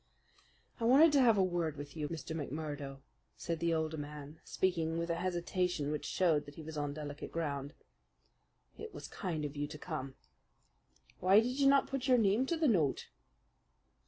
"I wanted to have a word with you, Mr. McMurdo," said the older man, speaking with a hesitation which showed that he was on delicate ground. "It was kind of you to come." "Why did you not put your name to the note?"